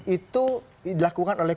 itu dilakukan oleh